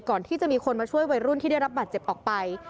ก่อนที่จะมีคนมาช่วยวัยรุ่นที่ได้รับบาดเจ็บออกไป